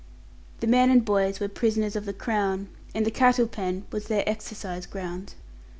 The men and boys were prisoners of the Crown, and the cattle pen was their exercise ground.